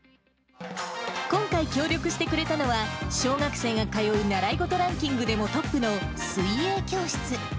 今回、協力してくれたのは、小学生が通う習い事ランキングでもトップの水泳教室。